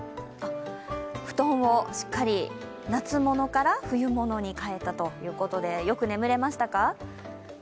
布団をしっかり、夏ものから冬ものにかえたということでよく眠れましたか？